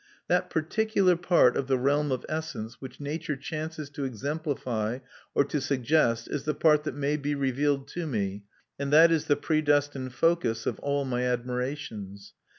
That particular part of the realm of essence which nature chances to exemplify or to suggest is the part that may be revealed to me, and that is the predestined focus of all my admirations.